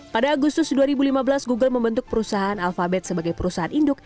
pada agustus dua ribu lima belas google membentuk perusahaan alfabet sebagai perusahaan induk